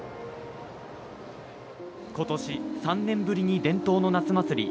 ことし３年ぶりに伝統の夏祭り